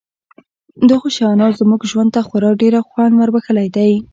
دغو شیانو زموږ ژوند ته خورا ډېر خوند وربښلی دی